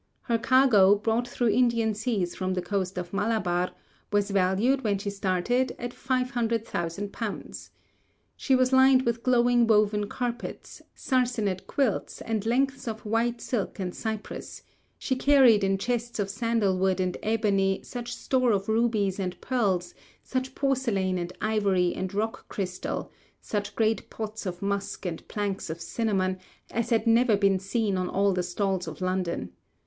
Her cargo, brought through Indian seas from the coast of Malabar, was valued when she started at 500,000_l._ She was lined with glowing woven carpets, sarcenet quilts, and lengths of white silk and cyprus; she carried in chests of sandalwood and ebony such store of rubies and pearls, such porcelain and ivory and rock crystal, such great pots of musk and planks of cinnamon, as had never been seen on all the stalls of London.